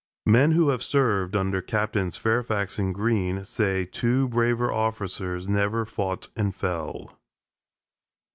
Men who have served under Captains Fairfax and Green say two braver officers never fought and fell.